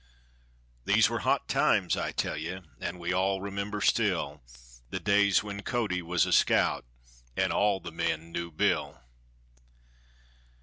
These were hot times, I tell you; and we all remember still The days when Cody was a scout, and all the men knew Bill.